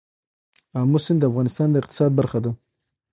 آمو سیند د افغانستان د اقتصاد برخه ده.